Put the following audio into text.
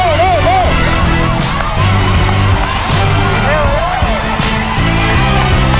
มีทั้งหมด๔จานแล้วนะฮะ